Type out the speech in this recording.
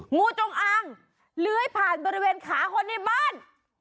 งูจงอางเลื้อยผ่านบริเวณขาคนในบ้าน